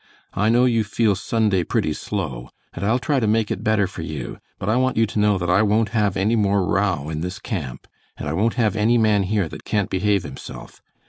I know you feel Sunday pretty slow, and I'll try to make it better for you; but I want you to know that I won't have any more row in this camp, and I won't have any man here that can't behave himself.